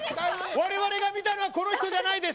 われわれが見たのはこの人じゃないです。